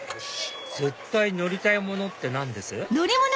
絶対乗りたいものって何です？